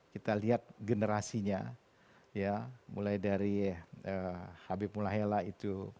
kita lihat generasinya mulai dari habib mulahela itu